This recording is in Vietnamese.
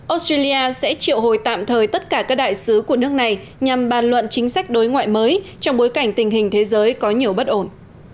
australia sẽ triệu hồi tạm thời tất cả các đại sứ của nước này nhằm bàn luận chính sách đối ngoại mới trong bối cảnh tình hình thế giới có nhiều bất ổn